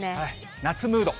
夏ムード。